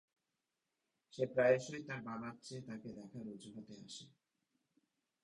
সে প্রায়শই তার বাবার চেয়ে তাকে দেখার অজুহাতে আসে।